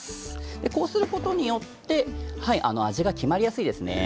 こうすることによって味が決まりやすいですね。